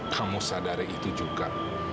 kamu sadari itu juga